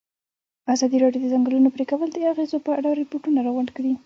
ازادي راډیو د د ځنګلونو پرېکول د اغېزو په اړه ریپوټونه راغونډ کړي.